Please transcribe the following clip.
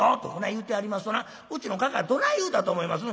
言うてやりますとなうちのかかあどない言うたと思います？